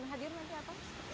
dalam sidang pertama nanti apa